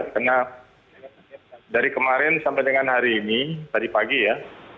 karena dari kemarin sampai dengan hari ini tadi pagi ya